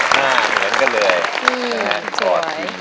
มาค่ะลูกสาวมาด้วยสวัสดีค่ะ